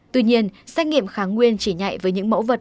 tuy nhiên xét nghiệm kháng nguyên chỉ nhẹ với những mẫu vật